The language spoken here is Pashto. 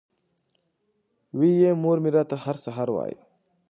وې ئې مور مې راته هر سحر وائي ـ